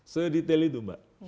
sedetail itu mbak